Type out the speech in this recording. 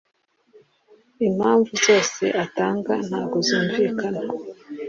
impamvu zose atanga ntago zumvikana